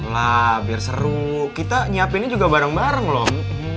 lah biar seru kita nyiapinnya juga bareng bareng loh